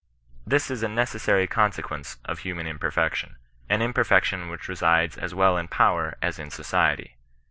This is a necessary consequence of human imperfection ; an imperfection which resides as well in power as in society.